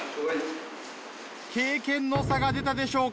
経験の差が出たでしょうか。